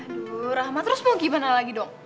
aduh rahmat terus mau gimana lagi dong